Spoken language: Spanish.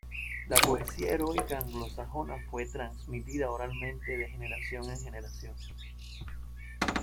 La poesía heroica anglosajona fue transmitida oralmente de generación en generación.